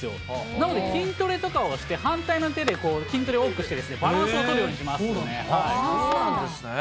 なので筋トレとかをして、反対の手で筋トレを多くしてバランスを取るようにします。